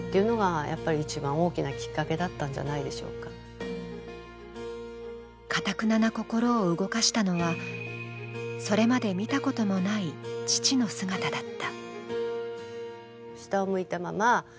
では何がかたくなな心を動かしたのは、それまで見たこともない父の姿だった。